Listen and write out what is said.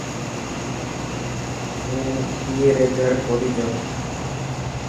مون ائي ري گھري ڪوني جائون.